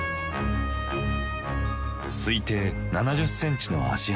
推定７０ｃｍの足跡。